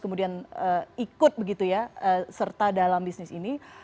kemudian ikut begitu ya serta dalam bisnis ini